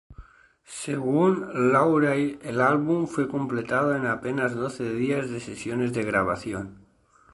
Según Launay, el álbum fue completado en apenas doce días de sesiones de grabación.